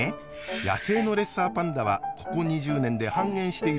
野生のレッサーパンダはここ２０年で半減しているんです。